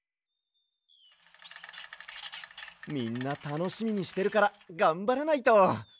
みんなたのしみにしてるからがんばらないと。